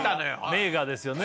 名画ですよね。